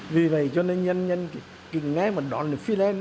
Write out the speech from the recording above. vì vậy cho nên nhân dân kính nghe mà đón được fidel